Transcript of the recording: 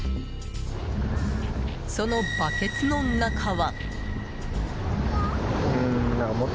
そのバケツの中は。